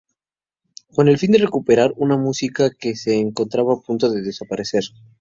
Con el fin de recuperar una música que se encontraba a punto de desaparecer.